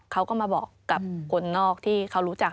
เขาก็มาบอกกับคนนอกที่เขารู้จัก